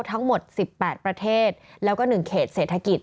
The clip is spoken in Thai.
ทั้งหมด๑๘ประเทศแล้วก็๑เขตเศรษฐกิจ